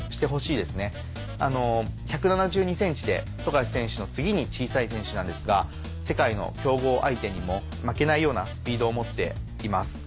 １７２ｃｍで富樫選手の次に小さい選手なんですが世界の強豪相手にも負けないようなスピードを持っています。